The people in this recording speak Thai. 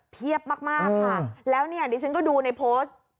เพียบมากค่ะแล้วเนี่ยดิฉันก็ดูในโพสต์